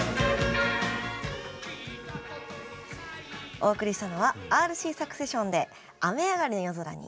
お送りしたのはＲＣサクセションで「雨上がりの夜空に」